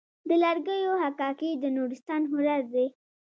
د لرګیو حکاکي د نورستان هنر دی.